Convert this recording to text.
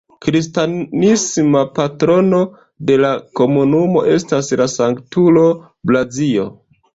Kristanisma patrono de la komunumo estas la sanktulo Blazio.